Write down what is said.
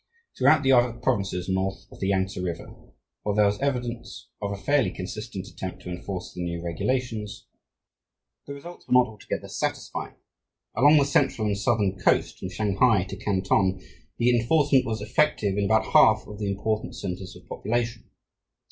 Throughout the other provinces north of the Yangtse River, while there was evidence of a fairly consistent attempt to enforce the new regulations, the results were not altogether satisfying. Along the central and southern coast, from Shanghai to Canton, the enforcement was effective in about half the important centers of population.